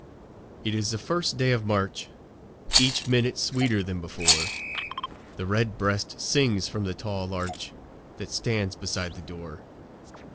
It is the first day of March, Each minute sweeter than before; The red breast sings from the tall larch That stands beside the door.